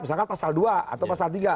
misalkan pasal dua atau pasal tiga